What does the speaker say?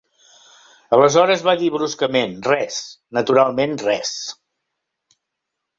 Aleshores va dir bruscament: "Res, naturalment, res".